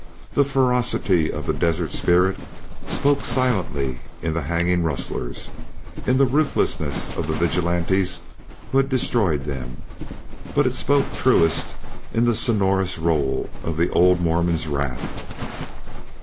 The ferocity of the desert spirit spoke silently in the hanging rustlers, in the ruthlessness of the vigilantes who had destroyed them, but it spoke truest in the sonorous roll of the old Mormon's wrath.